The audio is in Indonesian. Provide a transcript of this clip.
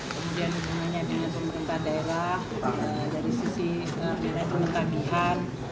kemudian kemudiannya pemerintah daerah dari sisi pemerintah bihan